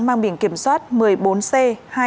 mang biển kiểm soát một mươi bốn xe